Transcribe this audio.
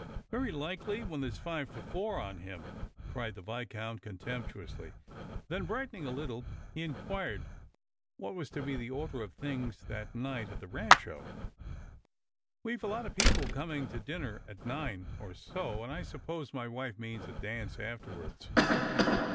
"Very likely, when there's five to four on him!" cried the Viscount contemptuously. Then, brightening a little, he in quired what was to be the order of things that night a,t the Eancho. " We've a lot of people coming to dinner at nine, or so, and I suppose my wife means a dance afterwards."